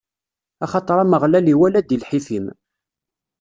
Axaṭer Ameɣlal iwala-d i lḥif-im.